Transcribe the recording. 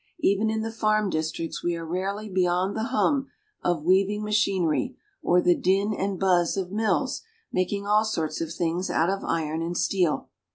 Even in the farm districts we are rarely beyond the hum of weaving machinery or the din and buzz of mills making all sorts of things out of iron and steel.